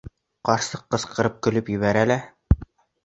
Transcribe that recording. Ҡарсыҡ ҡысҡырып көлөп ебәрә лә: